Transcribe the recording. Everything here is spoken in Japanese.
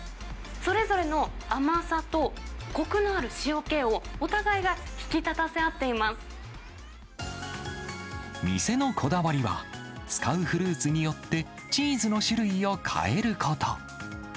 それぞれの甘さとこくのある塩気を、お互いが引き立たせ合ってい店のこだわりは、使うフルーツによって、チーズの種類を変えること。